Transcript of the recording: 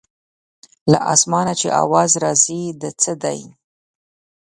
له اسمانه چې اواز راځي د څه دی.